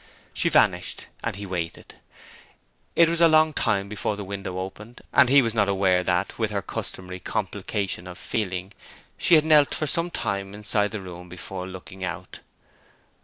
She vanished; and he waited. It was a long time before the window opened, and he was not aware that, with her customary complication of feeling, she had knelt for some time inside the room before looking out.